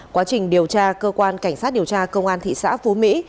quá trình điều tra cơ quan cảnh sát điều tra công an thị xã phú mỹ